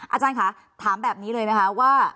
อาจารย์ค่ะถามแบบนี้เลยนะคะว่า